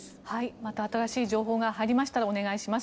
また新しい情報が入りましたらお願いします。